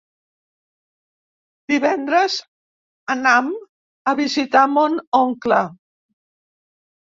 Divendres anam a visitar mon oncle.